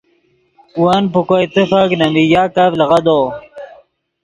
ون پے کوئے تیفک نے میگاکف لیغدو